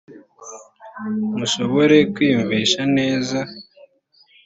mushobore kwiyumvisha neza